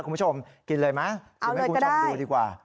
คุณผู้ชมกินเลยไหมจะให้คุณชอบดูดีกว่า